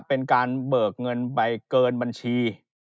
เป็นการเบิกเงินไปเกินบัญชี